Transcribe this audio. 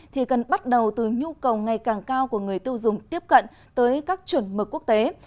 thì cần bắt đầu từ nhu cầu ngày càng cao của người tiêu dùng tiếp cận tới các chuẩn mực quốc tế